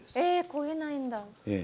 焦げないんだ。